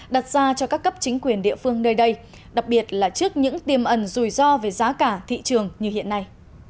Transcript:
đặt ra cho các cấp chính quyền địa phương nơi đây đặc biệt là trước những tiềm ẩn rủi ro về giá cả thị trường như hiện nay